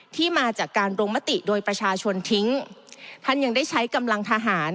ที่มาจากการลงมติโดยประชาชนทิ้งท่านยังได้ใช้กำลังทหาร